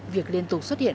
việc liên tục xuất hiện